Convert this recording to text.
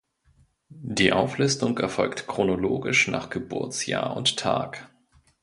Die Auflistung erfolgt chronologisch nach Geburtsjahr und -tag.